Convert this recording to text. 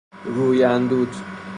روی اندود